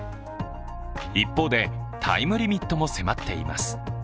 一方で、タイムリミットも迫っています。